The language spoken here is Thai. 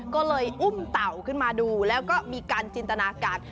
ก็เลยอุ้มเต่าขึ้นมาดูแล้วก็มีการจินตนาการ